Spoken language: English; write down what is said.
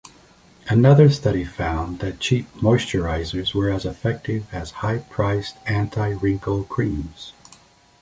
Another study found that cheap moisturisers were as effective as high-priced anti-wrinkle creams.